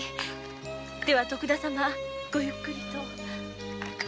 では徳田様ごゆっくりと。